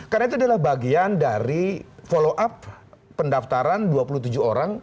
karena itu adalah bagian dari follow up pendaftaran dua puluh tujuh orang